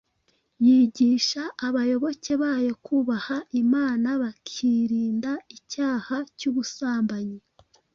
yigisha abayoboke bayo kubaha Imana, bakirinda icyaha cy’ubusambanyi.